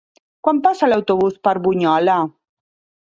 Quan passa l'autobús per Bunyola?